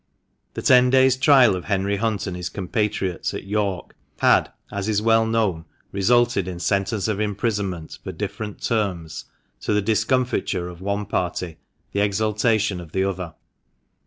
The ten days' trial of Henry Hunt and his compatriots at York had, as is well known, resulted in sentence of imprisonment for different terms, to the discomfiture of one party, the exultation of the other.